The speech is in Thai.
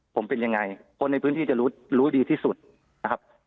ผมเป็นยังไงคนในพื้นที่จะรู้รู้ดีที่สุดนะครับ